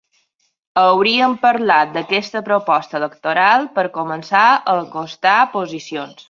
Haurien parlat d’aquesta proposta electoral per començar a acostar posicions.